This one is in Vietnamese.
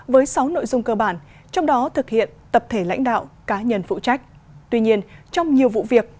với sáu nội dung cơ bản trong đó thực hiện tập thể lãnh đạo cá nhân phụ trách tuy nhiên trong nhiều vụ việc